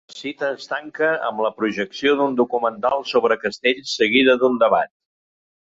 La cita es tanca amb la projecció d'un documental sobre castells seguida d'un debat.